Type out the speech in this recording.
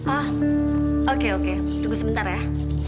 oh oke oke tunggu sebentar ya